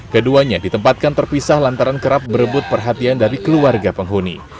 keduanya ditempatkan terpisah lantaran kerap berebut perhatian dari keluarga penghuni